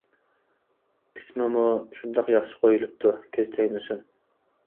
ئىسمىمۇ شۇنداق ياخشى قويۇلۇپتۇ، كۆز تەگمىسۇن!